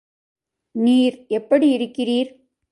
நீர் எப்படி இருக்கிறீர்?